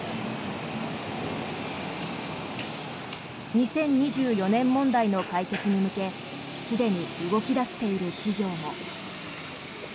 ２０２４年問題の解決に向けすでに動き出している企業も。